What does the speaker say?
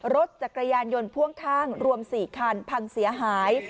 รถจักรยานยนต์พ่วงข้างรวม๔คันพังเสียหาย